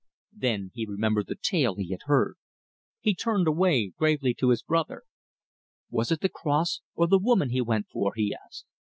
Then he remembered the tale he had heard. He turned away gravely to his brother. "Was it the cross or the woman he went for?" he asked.